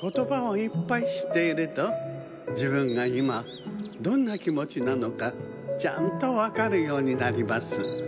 ことばをいっぱいしっているとじぶんがいまどんなきもちなのかちゃんとわかるようになります。